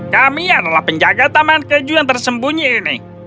kami adalah penjaga taman keju yang tersembunyi ini